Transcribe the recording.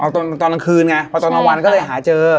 ตอนน้ำคืนไงตอนน้ำวันก็เลยหาเจอ